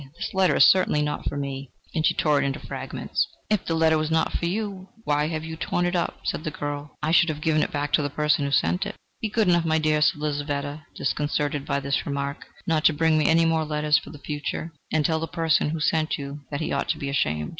"This letter is certainly not for me." And she tore it into fragments. "If the letter was not for you, why have you torn it up?" said the girl. "I should have given it back to the person who sent it." "Be good enough, my dear," said Lizaveta, disconcerted by this remark, "not to bring me any more letters for the future, and tell the person who sent you that he ought to be ashamed..."